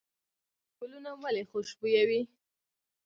ګلونه ولې خوشبویه وي؟